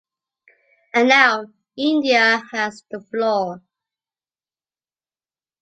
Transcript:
And now India has the floor.